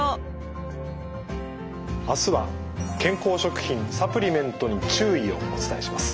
あすは「健康食品・サプリメントに注意！」をお伝えします。